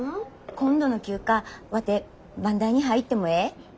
今度の休暇ワテ番台に入ってもええ？